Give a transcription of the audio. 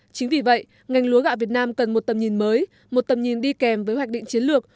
chính vì vậy ngành lúa gạo việt nam cần một tầm nhìn mới một tầm nhìn đi kèm với hoạch định chiến lược